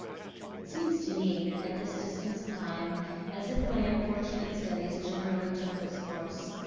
It seems to me, at this distance of time, as if my unfortunate studies generally took this course.